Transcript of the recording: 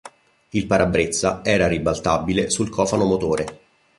Il parabrezza era ribaltabile sul cofano motore.